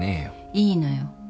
いいのよ。